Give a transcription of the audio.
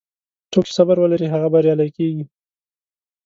څوک چې صبر ولري، هغه بریالی کېږي.